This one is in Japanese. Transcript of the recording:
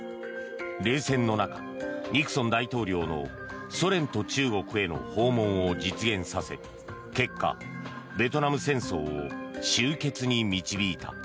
冷戦の中、ニクソン大統領のソ連と中国への訪問を実現させ結果、ベトナム戦争を終結に導いた。